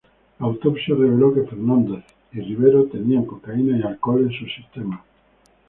La autopsia reveló que Fernández y Rivero tenían cocaína y alcohol en sus sistemas.